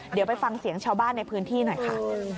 เดี๋ยวไปฟังเสียงชาวบ้านในพื้นที่หน่อยค่ะ